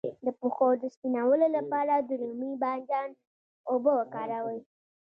د پښو د سپینولو لپاره د رومي بانجان اوبه وکاروئ